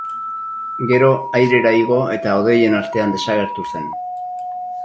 Gero airera igo eta hodeien artean desagertu zen.